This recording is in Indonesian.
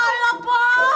ya allah po